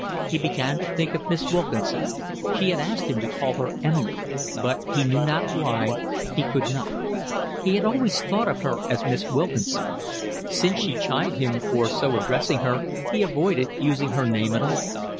He began to think of Miss Wilkinson. She had asked him to call her Emily, but, he knew not why, he could not; he always thought of her as Miss Wilkinson. Since she chid him for so addressing her, he avoided using her name at all.